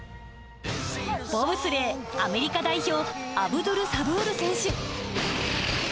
ボブスレーアメリカ代表、アブドゥル・サブール選手。